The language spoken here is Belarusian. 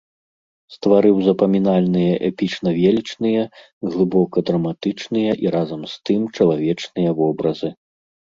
Стварыў запамінальныя эпічна-велічныя, глыбока драматычныя і разам з тым чалавечныя вобразы.